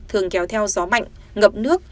thường kéo theo gió mạnh ngập nước